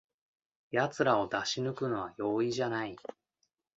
やつらを出し抜くのは容易じゃない